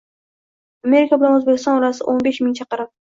Amerika bilan O’zbekiston orasi o’n besh ming chaqirim.